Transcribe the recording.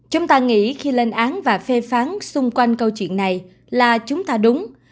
chúng ta nghĩ khi lên án và phê phán xung quanh câu chuyện này là chúng ta đúng